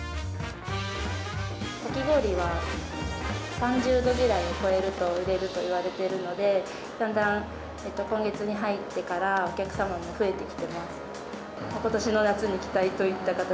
かき氷は３０度ぐらいを超えると売れるといわれてるので、だんだん、今月に入ってからお客様も増えてきてます。